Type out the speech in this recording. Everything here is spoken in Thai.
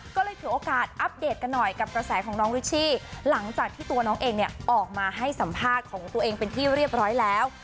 ก็เลยถือโอกาสอัปเดตกันหน่อยกับกระแสของน้องริชชี่หลังจากที่ตัวน้องเองเนี่ยออกมาให้สัมภาษณ์ของตัวเองเป็นที่เรียบร้อยแล้ว